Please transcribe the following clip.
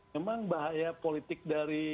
memang bahaya politik dari